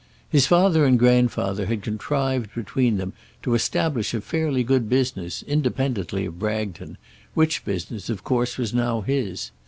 His father and grandfather had contrived between them to establish a fairly good business, independently of Bragton, which business, of course, was now his.